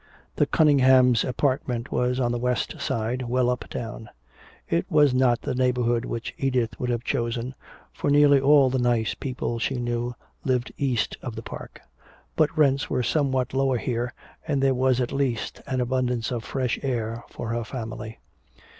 The Cunninghams' apartment was on the west side, well uptown. It was not the neighborhood which Edith would have chosen, for nearly all the nice people she knew lived east of the park. But rents were somewhat lower here and there was at least an abundance of fresh air for her family.